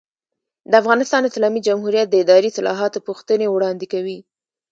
د افغانستان اسلامي جمهوریت د اداري اصلاحاتو پوښتنې وړاندې کوي.